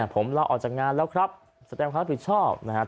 ผมลาออกจากงานแล้วครับแสดงความรับผิดชอบนะครับ